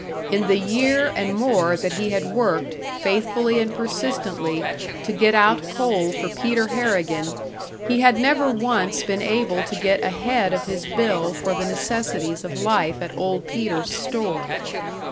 In the year and more that he had worked, faithfully and persistently, to get out coal for Peter Harrigan, he had never once been able to get ahead of his bill for the necessities of life at Old Peter's store.